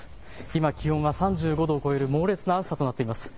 今、気温が３５度を超える猛烈な暑さとなっています。